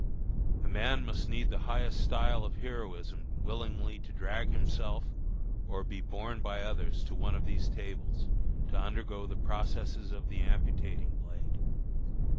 A man must need the highest style of heroism willingly to drag himself or be borne by others to one of these tables, to undergo the processes of the amputating blade.